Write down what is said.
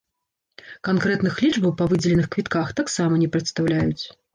Канкрэтных лічбаў па выдзеленых квітках таксама не прадастаўляюць.